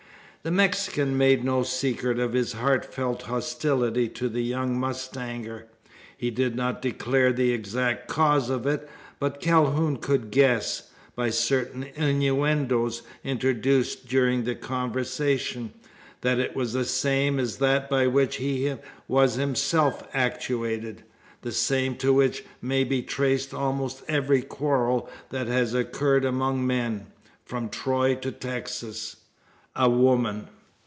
The Mexican made no secret of his heartfelt hostility to the young mustanger. He did not declare the exact cause of it; but Calhoun could guess, by certain innuendos introduced during the conversation, that it was the same as that by which he was himself actuated the same to which may be traced almost every quarrel that has occurred among men, from Troy to Texas a woman!